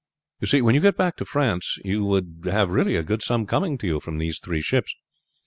You see, when you get back to France you would have really a good sum coming to you from these three ships.